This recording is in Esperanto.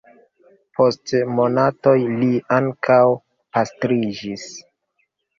Post monatoj li ankaŭ pastriĝis.